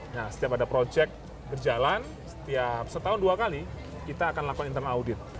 nah setiap ada proyek berjalan setiap setahun dua kali kita akan lakukan internal audit